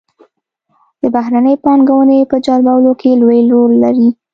د بهرنۍ پانګونې په جلبولو کې لوی رول لري.